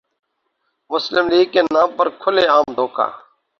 مسلم لیگ کے نام پر کھلے عام دھوکہ ۔